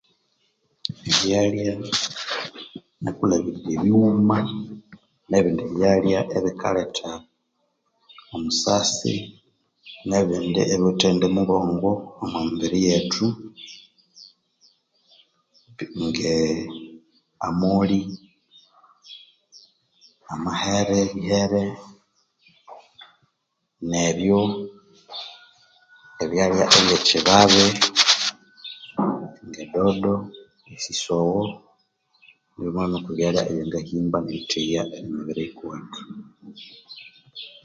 Ebyalya nakulhabirirya ebighuma ne bindi ebyalya ebikaletha omusasi ne bindi ebiwithe yindi mibongo omo mibiri yethu nge amoli amahere erihere nebyo ebyalya ebyekibabi gedodo esisogho nibighuma byoko byalya ebyangahimba ne eritheya emibiri yukuwethu